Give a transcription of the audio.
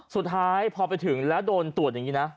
สุดท้ายพอไปถึงแล้วโดนตรวจอย่างนี้นะ